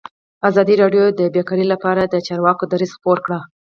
ازادي راډیو د بیکاري لپاره د چارواکو دریځ خپور کړی.